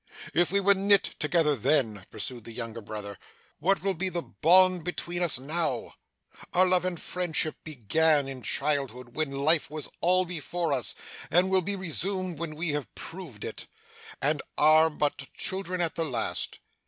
'If we were knit together then,' pursued the younger brother, 'what will be the bond between us now! Our love and fellowship began in childhood, when life was all before us, and will be resumed when we have proved it, and are but children at the last.